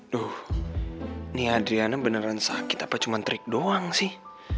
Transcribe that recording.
duh nih adriana beneran sakit apa cuma trik doang sih